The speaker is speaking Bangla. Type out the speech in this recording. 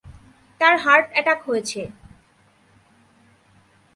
তার হার্ট অ্যাটাক হয়েছে।